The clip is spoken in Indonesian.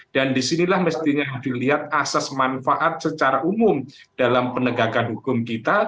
dan disinilah mestinya dilihat asas manfaat secara umum dalam penegakan hukum kita